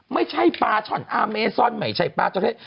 ไม่ใช่ปลาช่อนอาเมซอนไม่ใช่ปลาจอเทศ